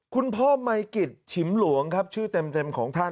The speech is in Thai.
คุณพ่อมัยกิจฉิมหลวงครับชื่อเต็มของท่าน